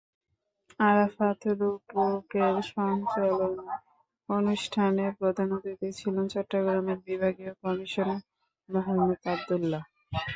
আরাফাত রূপকের সঞ্চালনায় অনুষ্ঠানে প্রধান অতিথি ছিলেন চট্টগ্রামের বিভাগীয় কমিশনার মোহাম্মদ আব্দুল্লাহ।